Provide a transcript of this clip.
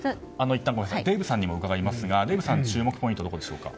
デーブさんにも伺いますがデーブさんの注目ポイントはどこでしょうか。